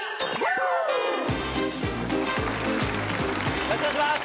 よろしくお願いします。